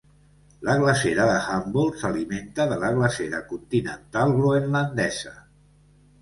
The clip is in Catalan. La glacera de Humboldt s'alimenta de la Glacera continental groenlandesa.